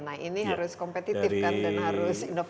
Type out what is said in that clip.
nah ini harus kompetitif kan dan harus inovasi